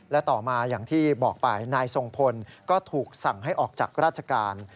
และต่อมาอย่างที่บอกไปนายทรงพลก็ถูกสั่งให้ออกจากราชการ